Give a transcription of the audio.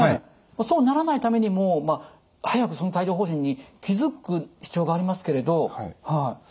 そうならないためにも早く帯状ほう疹に気付く必要がありますけれどはい。